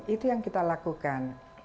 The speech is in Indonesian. itu yang kita lakukan